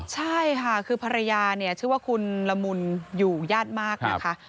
ใช่ค่ะคือภรรยาเนี่ยชื่อว่าคุณละมุนอยู่ญาติมากนะคะ